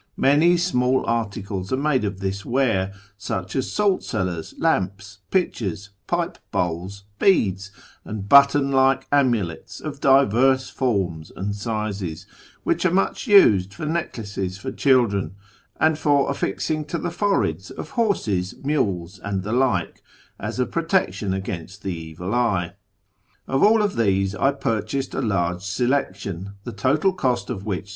Many small articles are made of this ware, such as j5alt cellars, lamps, pitchers, pipe bowls, beads, and button like mulcts of divers forms and sizes, which are much used for ecklaces for children, and for affixing to the foreheads of lorses, mules, and the like, as a protection against the evil ye. Of all of these I purchased a large selection, the total I70 ./ YKAR AMONGST THE PERSIANS cost of wliich <li